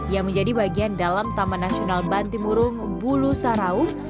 yang menjadi bagian dalam taman nasional bantimurung bulu sarau